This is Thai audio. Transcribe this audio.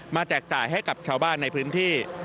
แจกจ่ายให้กับชาวบ้านในพื้นที่